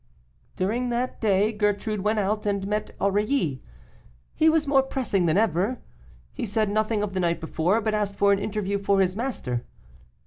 "During that day, Gertrude went out, and met Aurilly. He was more pressing than ever. He said nothing of the night before, but asked for an interview for his master.